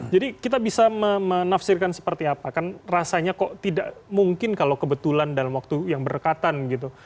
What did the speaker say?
jadi kita bisa menafsirkan seperti apa kan rasanya kok tidak mungkin kalau kebetulan dalam waktu yang berkatan gitu